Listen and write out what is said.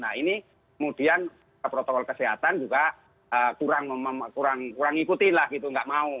nah ini kemudian protokol kesehatan juga kurang ikuti lah gitu nggak mau